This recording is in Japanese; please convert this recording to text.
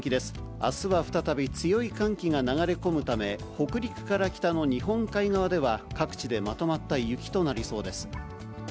あすは再び、強い寒気が流れ込むため、北陸から北の日本海側では、各地でまとまった雪となりそうです。